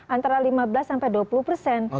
antara lima belas sampai dua puluh persen